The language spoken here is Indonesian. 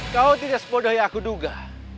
kau tidak sebodoh yang aku duga